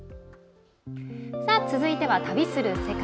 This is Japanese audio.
続いては「旅する世界」。